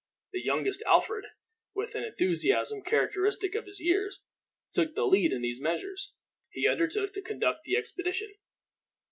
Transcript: The youngest, Alfred, with an enthusiasm characteristic of his years, took the lead in these measures. He undertook to conduct the expedition.